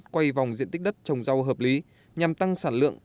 quay vòng diện tích đất trồng rau hợp lý nhằm tăng sản lượng